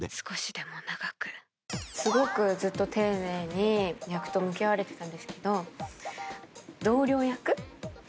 すごくずっと丁寧に役と向き合われてたんですけど。